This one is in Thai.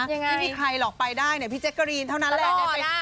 ไม่มีใครหรอกไปได้เนี่ยพี่แจ๊กกะรีนเท่านั้นแหละ